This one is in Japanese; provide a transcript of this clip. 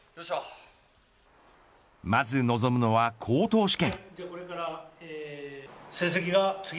まず臨むのは、口頭試験。